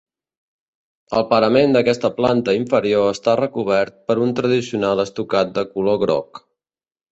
El parament d'aquesta planta inferior està recobert per un tradicional estucat de color groc.